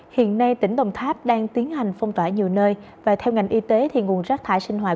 hiện nay tỉnh đồng tháp đang tiến hành phong tỏa nhiều nơi và theo ngành y tế thì nguồn rác thải sinh hoạt